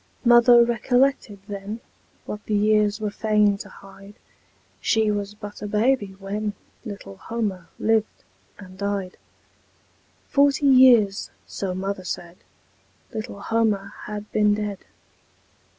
Mother recollected then What the years were fain to hide She was but a baby when Little Homer lived and died; Forty years, so mother said, Little Homer had been dead.